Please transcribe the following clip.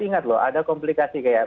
ingat loh ada komplikasi kayak